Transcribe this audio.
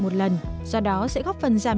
một lần do đó sẽ góp phần giảm